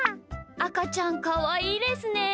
あかちゃんかわいいですね。